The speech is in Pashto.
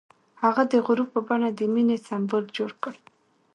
هغه د غروب په بڼه د مینې سمبول جوړ کړ.